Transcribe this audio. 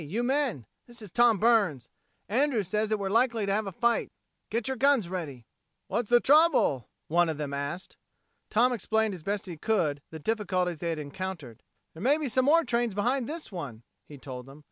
you men! This is Tom Burns. Andrews says that we're likely to have a fight. Get your guns ready." "What's the trouble?" one of them asked. Tom explained as best he could the difficulties they had encountered. "There may be some more trains behind this one," he told them.